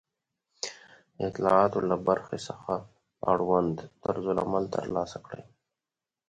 د اطلاعاتو له برخې څخه اړوند طرزالعمل ترلاسه کړئ